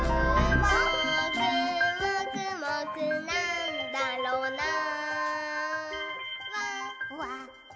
「もーくもくもくなんだろなぁ」